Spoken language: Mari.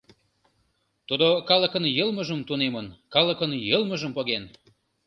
Тудо калыкын йылмыжым тунемын, калыкын йылмыжым поген.